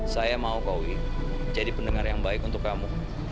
saya mau kowi jadi pendengar yang baik untuk kamu